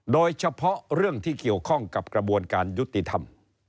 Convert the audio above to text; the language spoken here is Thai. โดยเฉพาะเรื่องที่เกี่ยวข้องกับกระบวนการยุติธรรม